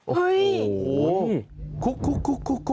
โอ้เฮ้ยคุก